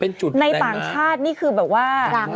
ในต่างชาตินี่คือแบบว่า